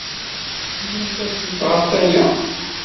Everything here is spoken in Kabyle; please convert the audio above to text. Tennamt-asent ɣef waya?